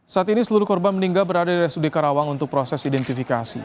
saat ini seluruh korban meninggal berada di rsud karawang untuk proses identifikasi